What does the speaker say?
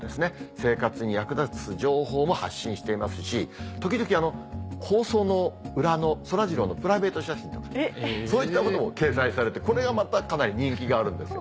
生活に役立つ情報も発信していますし時々放送の裏のそらジローのプライベート写真とかそういったものも掲載されてこれがまたかなり人気があるんですよ。